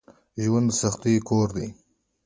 ژوند دسختیو کور دی